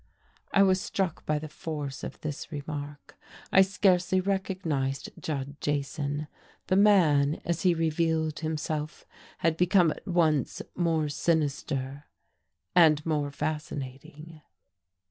I was struck by the force of this remark. I scarcely recognized Judd Jason. The man, as he revealed himself, had become at once more sinister and more fascinating.